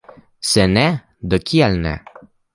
Se ne, do kial ne?